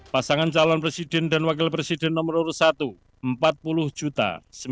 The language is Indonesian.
pasangan calon presiden dan wakil presiden nomor urut satu empat puluh sembilan